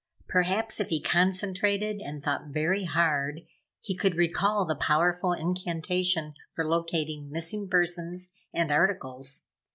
Perhaps if he concentrated and thought very hard, he could recall the powerful incantation for locating missing persons and articles.